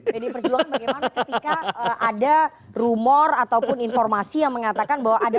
pdi perjuangan bagaimana ketika ada rumor ataupun informasi yang mengatakan bahwa ada